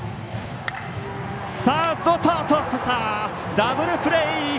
ダブルプレー。